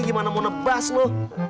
gimana mau nebas lu